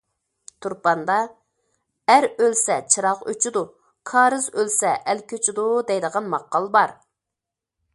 تۇرپاندا‹‹ ئەر ئۆلسە چىراغ ئۆچىدۇ، كارىز ئۆلسە، ئەل كۆچىدۇ›› دەيدىغان ماقال بار.